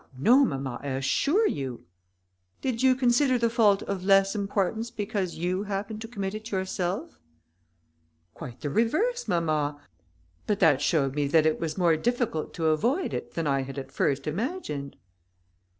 no, mamma, I assure you." "Did you consider the fault of less importance because you happened to commit it yourself?" "Quite the reverse, mamma, but that showed me that it was more difficult to avoid it than I had at first imagined."